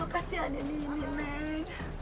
kasihannya nini neng